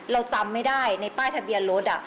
เราจำไม่ได้ในป้ายทะเบียนรถ